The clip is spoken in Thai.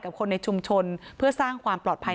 คนในชุมชนเพื่อสร้างความปลอดภัย